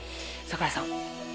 櫻井さん。